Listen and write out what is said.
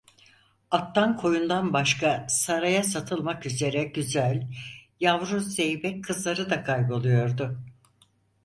Attan koyundan başka saraya satılmak üzere güzel, yavru zeybek kızları da kayboluyordu.